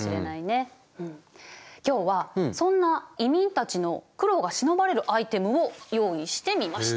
今日はそんな移民たちの苦労がしのばれるアイテムを用意してみました。